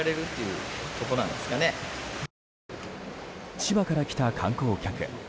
千葉から来た観光客。